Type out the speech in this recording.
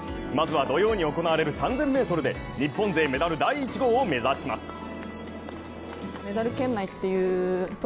まずは土曜に行われる３０００ｍで日本勢メダル第１号を目指します。